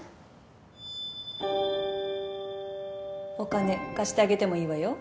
お金貸してあげてもいいわよ